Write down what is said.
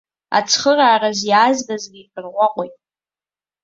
Ацхыраараз иаазгазгьы рҟәаҟәеит.